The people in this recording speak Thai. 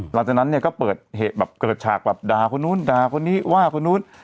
หลังจากนั้นเนี่ยก็เปิดแบบเกิดฉากแบบด่าคนนู้นด่าคนนี้ว่าคนนู้น